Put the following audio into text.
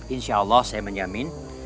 insya allah saya menjamin